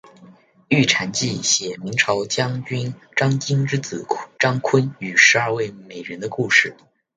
玉蟾记写明朝将军张经之子张昆与十二位美人的故事。